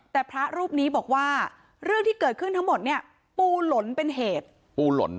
แต่พระรูปนี้บอกว่าเรื่องที่เกิดขึ้นทั้งหมดเนี่ยปูหล่นเป็นเหตุปูหล่น